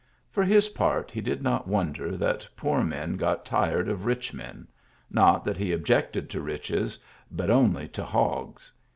For his part he did not wonder that poor men got tired of rich men ; not that he objected to riches, but only to hogs.